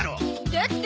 だって。